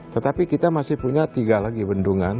tetapi kita masih punya tiga lagi bendungan